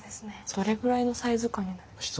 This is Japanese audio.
どれぐらいのサイズ感になるんですか？